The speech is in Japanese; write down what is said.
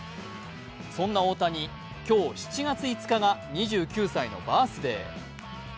そんな大谷、今日７月５日が２９歳のバースデー。